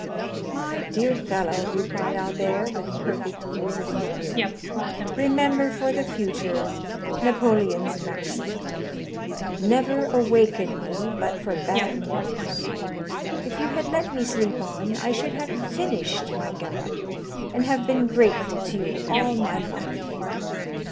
"My dear fellow," replied Albert, with perfect ease of mind, "remember, for the future, Napoleon's maxim, 'Never awaken me but for bad news;' if you had let me sleep on, I should have finished my galop, and have been grateful to you all my life.